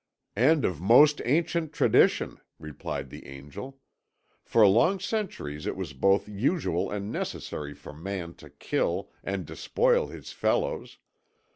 "And of most ancient tradition," replied the angel. "For long centuries it was both usual and necessary for man to kill and despoil his fellows.